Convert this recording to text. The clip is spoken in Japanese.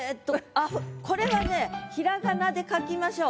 あっこれはね平仮名で書きましょう。